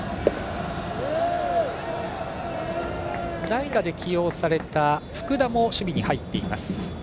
代打で起用された福田も守備に入っています。